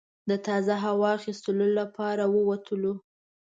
د تازه هوا اخیستلو لپاره ووتلو.